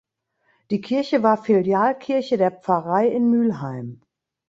Die Kirche war Filialkirche der Pfarrei in Mühlheim.